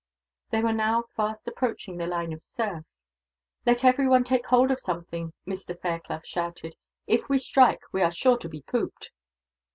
They were now fast approaching the line of surf. "Let everyone take hold of something," Mr. Fairclough shouted. "If we strike, we are sure to be pooped."